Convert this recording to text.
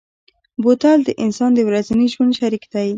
بوتل د انسان د ورځني ژوند شریک دی.